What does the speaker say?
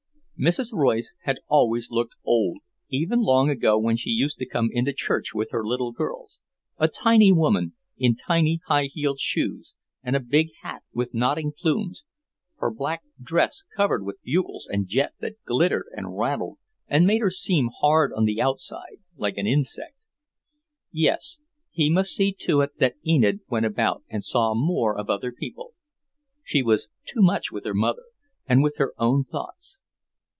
Mrs. Royce had always looked old, even long ago when she used to come into church with her little girls, a tiny woman in tiny high heeled shoes and a big hat with nodding plumes, her black dress covered with bugles and jet that glittered and rattled and made her seem hard on the outside, like an insect. Yes, he must see to it that Enid went about and saw more of other people. She was too much with her mother, and with her own thoughts.